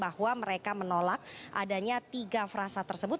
bahwa mereka menolak adanya tiga frasa tersebut